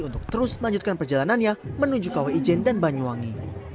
untuk terus melanjutkan perjalanannya menuju kawaijen dan banyuwangi